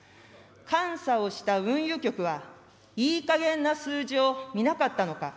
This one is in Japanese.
監査をした運輸局は、いいかげんな数字を見なかったのか。